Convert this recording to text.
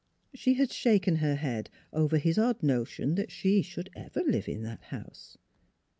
She had shaken her head over his odd notion that she should ever live in that house.